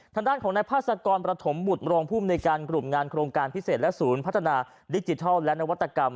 ทางด้านของนายพาสกรประถมบุตรรองภูมิในการกลุ่มงานโครงการพิเศษและศูนย์พัฒนาดิจิทัลและนวัตกรรม